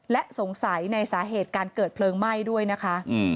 และสงสัยในสาเหตุการเกิดเพลิงไหม้ด้วยนะคะ